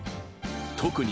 特に